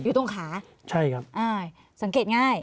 อยู่ตรงขาใช่ครับอ่าสังเกตง่าย